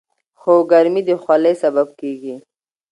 هو، ګرمي د خولې سبب کېږي.